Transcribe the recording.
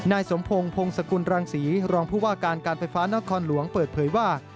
นายสมพงศ์พงศกุลรังศรีรองผู้ว่าการการไฟฟ้านครหลวงเปิดเผยว่า